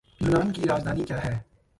यूनान की राजधानी क्या है?